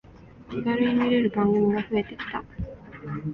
気軽に見れる番組が増えてきた